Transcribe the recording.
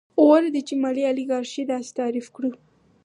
غوره ده چې مالي الیګارشي داسې تعریف کړو